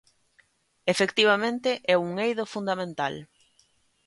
Efectivamente, é un eido fundamental.